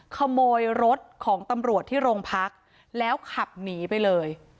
ขโมยรถของตำรวจที่โรงพักแล้วขับหนีไปเลย